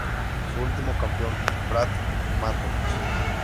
Su último campeón Brad Maddox